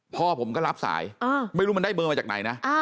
พ่อผมก็รับสายไม่รู้มันได้เบอร์มาจากไหนนะ